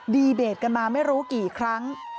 ดีเบตกันมาไม่รู้กี่ครั้ง